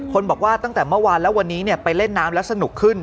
คนบอกว่าตั้งแต่เมื่อวานแล้ววันนี้ไปเล่นน้ำแล้วสนุกขึ้น